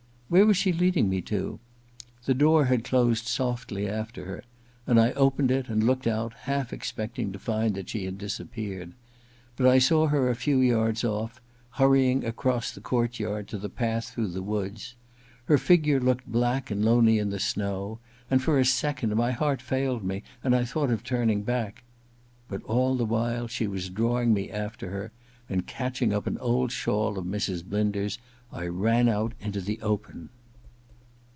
Where was she leading me to ? The door had closed softly after her, . and I opened it and looked out, half expecting to find that she had disappeared. But I saw her a few yards off hurrying across the court yard to the path through the woods. Her figure looked black and lonely in the snow, and for a second my heart failed me and I thought of turning back. But all the while she was drawing me after her ; and catching up an old shawl of Mrs. Blinder's I ran out into the open.